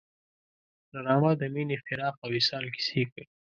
ډرامه د مینې، فراق او وصال کیسې کوي